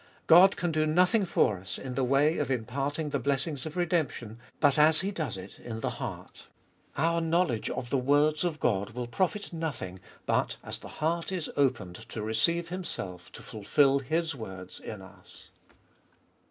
God can do nothing for us, in the way of imparting the blessings of redemption, but as He does it in the 118 Sbe Dolfest of Bll heart. Our knowledge of the words of God will profit nothing but as the heart is opened to receive Himself to fulfil His words in us.